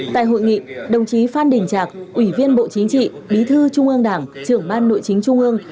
tại hội nghị đồng chí phan đình trạc ủy viên bộ chính trị bí thư trung ương đảng trưởng ban nội chính trung ương